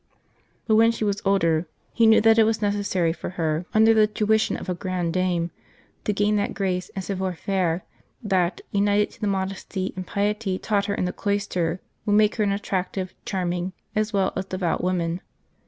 But, when she was older, he knew that it was necessary for her, under the tuition of a grande dame, to gain that grace and savoir faire that, united to the modesty and piety taught her in the cloister, would make her an attractive, charm ing, as well as devout woman.